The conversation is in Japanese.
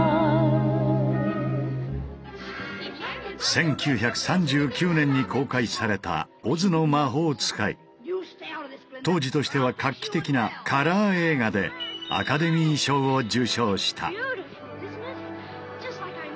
１９３９年に公開された当時としては画期的なカラー映画でアカデミー賞を受賞した。